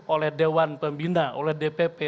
oleh dewan pembina oleh dpp